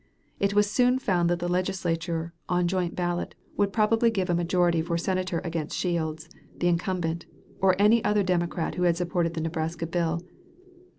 It was soon found that the Legislature on joint ballot would probably give a majority for Senator against Shields, the incumbent, or any other Democrat who had supported the Nebraska bill.